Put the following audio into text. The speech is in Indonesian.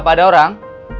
apa ada orang